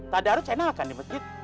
tak ada harus saya nalakan nih mas ji